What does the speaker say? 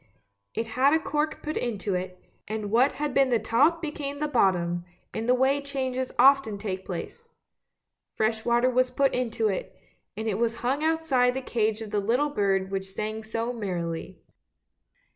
It had a cork put into it, and what had been the top became the bottom, in the way changes often take place; fresh water was put into it, and it was hung outside the cage of the little bird which sang so merrily.